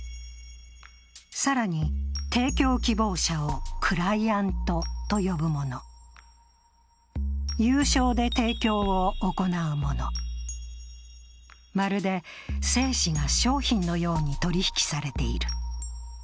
更に、提供希望者をクライアントと呼ぶもの、有償で提供を行うもの、まるで精子が商品のように取り引きされている。